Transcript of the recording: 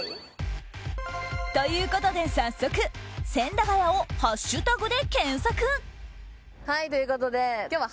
ということで早速千駄ヶ谷をハッシュタグで検索。